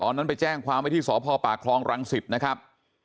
ตอนนั้นไปแจ้งความไว้ที่สพปคลองรัง๑๐นะครับ